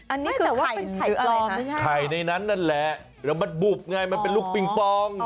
อันนี้คือไข่ปลอมไข่ในนั้นนั่นแหละแล้วมันบุบไงมันเป็นลูกปิงปอง